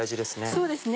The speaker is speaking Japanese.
そうですね。